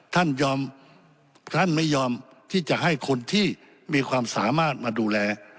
ท่านยอมท่านไม่ยอมที่จะให้คนที่มีความสามารถมาดูแล